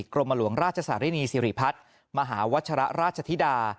กรมหลวงราชสารินีสิริพัฒน์มหาวัชระราชธิดา